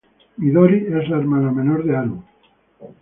Midori es la hermana menor de Haru.